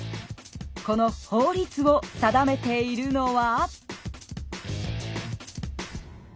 この法律を定めているのは？